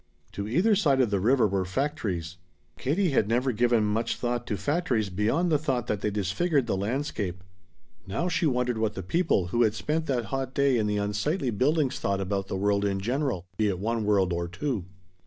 To either side of the river were factories. Katie had never given much thought to factories beyond the thought that they disfigured the landscape. Now she wondered what the people who had spent that hot day in the unsightly buildings thought about the world in general be it one world or two.